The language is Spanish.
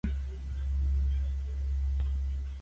El pelaje es fino, corto, rígido, perfectamente liso y lustroso.